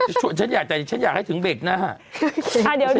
เบรกอีกแล้วหรอ